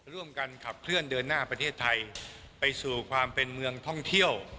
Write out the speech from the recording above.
ร่วมกันขับเคลื่อนเดินหน้าประเทศไทยไปสู่ความเป็นเมืองท่องเที่ยว